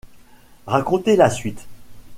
Racontez la suite.